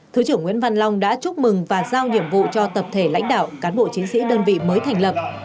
thứ trưởng nguyễn văn long đã chúc mừng và giao nhiệm vụ cho tập thể lãnh đạo cán bộ chiến sĩ đơn vị mới thành lập